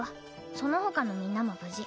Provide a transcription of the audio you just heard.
そのほかのみんなも無事。